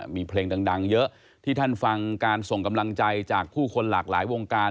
มีเพลงดังเยอะที่ท่านฟังการส่งกำลังใจจากผู้คนหลากหลายวงการ